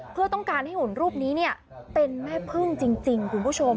เพื่อต้องการให้หุ่นรูปนี้เป็นแม่พึ่งจริงคุณผู้ชม